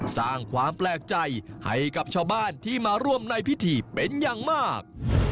สร้างความแปลกใจให้กับชาวบ้านที่มาร่วมในพิธีเป็นอย่างมาก